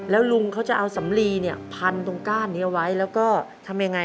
แล้วลุงเขาจะเอาสำลีเนี่ยพันตรงก้านนี้เอาไว้แล้วก็ทำยังไง